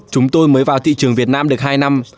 chúng tôi mới vào thị trường việt nam được hai năm